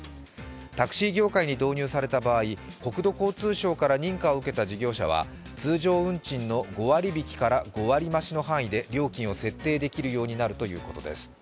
タクシー業界に導入された場合国土交通省から認可を受けた事業者は通常運賃の５割引きから５割増しの範囲で料金を設定できるようになるということです。